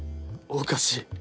おかしい